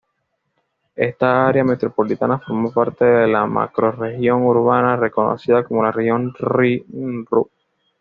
Esta área metropolitana forma parte de la macrorregión urbana conocida como la Región Rin-Ruhr.